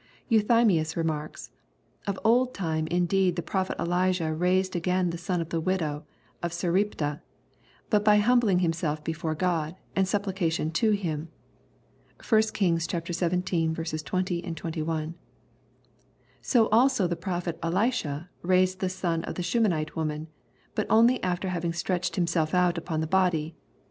Euthymius remarks, " Of old time indeed the prophet Elijah raised again the son of the widow of Sarepta, but by humbling himself before Gk)d, and supplication to Him. (1 Kings xvii. 20, 21.) So also the prophet Elisha raised the son of the Shunammite woman, but only after having stretched himself out upon his body.